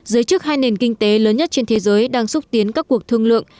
giới chức hai nền kinh tế lớn nhất trên thế giới đang xúc tiến các cuộc thương lượng